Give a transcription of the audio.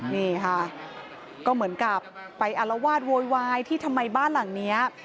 นี่ค่ะก็เหมือนกับไปอารวาสโวยวายที่ทำไมบ้านหลังนี้